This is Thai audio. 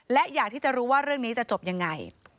และอยากที่จะรู้ว่าเรื่องนี้จะจบยังไง